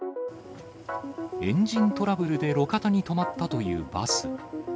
エンジントラブルで路肩に止まったというバス。